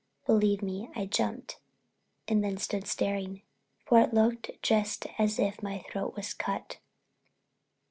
Believe me I jumped and then stood staring, for it looked just as if my throat was cut!